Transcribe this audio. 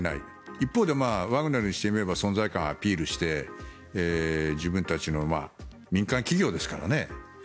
一方でワグネルにしてみれば存在感をアピールして自分たちの民間企業ですからね。